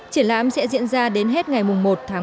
triển lãm sẽ diễn ra đến hết ngày một tháng một mươi một